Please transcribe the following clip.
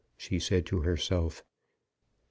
she said to herself.